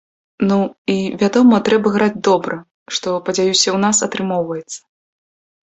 Ну і, вядома, трэба граць добра, што, падзяюся, у нас атрымоўваецца!